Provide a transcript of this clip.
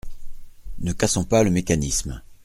Ne cassons pas le mécanisme.